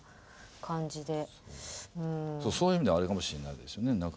そういう意味であれかもしれない訳ですよね。